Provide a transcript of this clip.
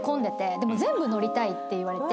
でも全部乗りたいって言われて。